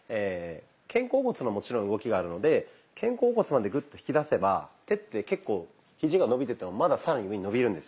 肩甲骨のもちろん動きがあるので肩甲骨までグッと引き出せば手って結構ひじが伸びててもまだ更に上に伸びるんですよ。